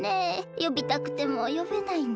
よびたくてもよべないんだよ。